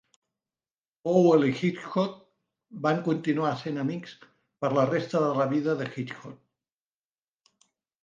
Powell i Hitchcock van continuar sent amics per la resta de la vida de Hitchcock.